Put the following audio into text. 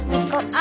あ！